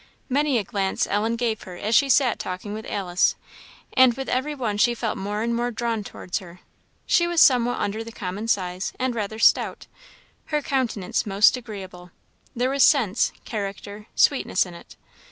Many a glance Ellen gave her as she sat talking with Alice; and with every one she felt more and more drawn towards her. She was somewhat under the common size, and rather stout; her countenance most agreeable; there was sense, character, sweetness in it.